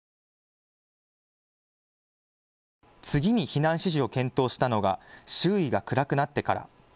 次に避難指示を検討したのが周囲が暗くなってから。